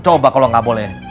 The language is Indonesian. coba kalau gak boleh